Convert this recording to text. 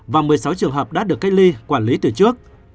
và một mươi sáu trường hợp đã được cách ly quản lý từ trước